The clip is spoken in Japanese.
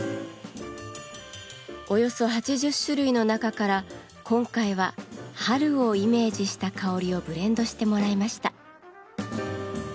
およそ８０種類の中から今回は「春」をイメージした香りをブレンドしてもらいました。